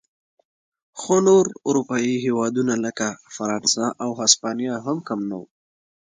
خو نور اروپايي هېوادونه لکه فرانسه او هسپانیا هم کم نه و.